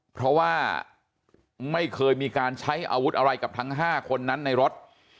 เพราะว่าไม่เคยมีการใช้อาวุธอะไรกับทั้ง๕คนนั้นในรถ